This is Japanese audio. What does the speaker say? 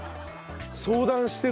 相談してる。